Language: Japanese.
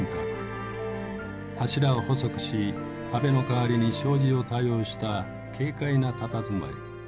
柱を細くし壁の代わりに障子を多用した軽快なたたずまい。